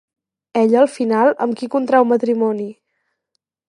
Ella al final amb qui contrau matrimoni?